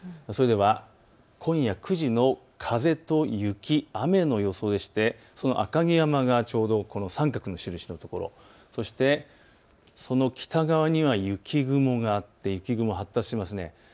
それでは今夜９時の風と雪、雨の予想でして赤城山のこの三角の印のところ、そしてその北側には雪雲があって雪雲が発達しています。